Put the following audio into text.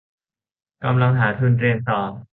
กำลังหาทุนเรียนต่อ